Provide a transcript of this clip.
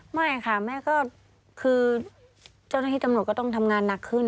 ไม่ค่ะแม่ก็คือเจ้าหน้าที่ตำรวจก็ต้องทำงานหนักขึ้น